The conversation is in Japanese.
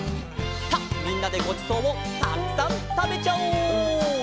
さあみんなでごちそうをたくさんたべちゃおう！